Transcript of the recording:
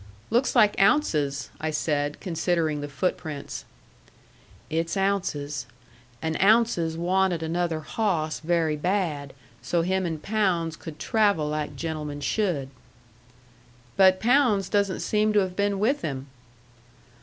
"Looks like Ounces," I said, considering the footprints. "It's Ounces. And Ounces wanted another hawss very bad, so him and Pounds could travel like gentlemen should." "But Pounds doesn't seem to have been with him."